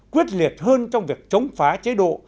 quyết liệt hơn trong việc chống phá chế độ